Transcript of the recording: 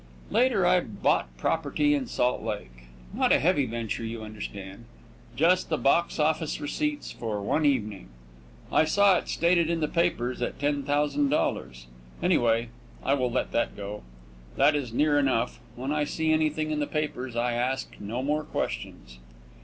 Later I bought property in Salt Lake. Not a heavy venture, you understand. Just the box office receipts for one evening. I saw it stated in the papers at $10,000. Anyway, I will let that go. That is near enough. When I see anything in the papers I ask no more questions.